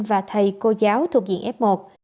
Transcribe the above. và thầy cô giáo thuộc diện f một